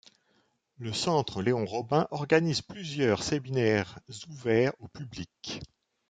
Le centre Léon-Robin organise plusieurs séminaires ouverts au public.